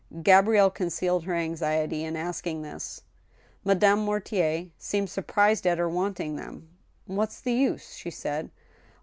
Gabrielle concealed her anxiety in asking this. Madame Mortier seemed surprised at her wanting them. " What's the use ?" she said.